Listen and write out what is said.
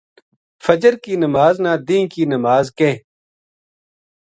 فجر کی نماز نا دینہ کی نماز کہیں۔